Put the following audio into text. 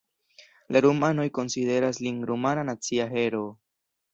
La rumanoj konsideras lin rumana nacia heroo.